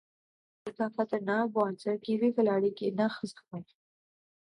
انور علی کا خطرناک bouncer Kiwi کھلاڑی کی نکھ زخمی